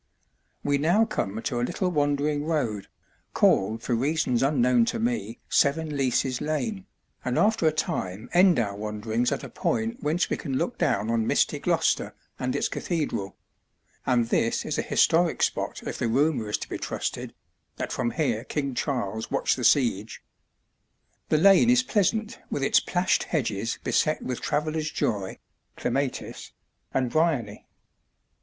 We now come to a little wandering road, called for reasons unknown to me Seven Leases Lane, and after a time end our wanderings at a point whence we can look down on misty Gloucester and its cathedral; and this is a historic spot if the rumour is to be trusted, that from here King Charles watched the siege. The lane is pleasant with its plashed hedges beset with travellerŌĆÖs joy (clematis) and bryony.